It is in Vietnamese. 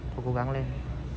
cố gắng lên